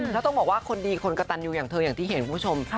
แล้วต้องบอกว่าคนดีคนกระตันอยู่อย่างเธออย่างที่เห็นคุณผู้ชม